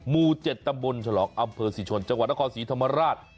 มูเจ็ดตะบลฉลองอำเภอสิชนจังหวัดนครศรีธรรมราช